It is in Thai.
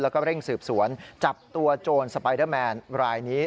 แล้วก็เร่งสืบสวนจับตัวโจรสไปเดอร์แมนรายนี้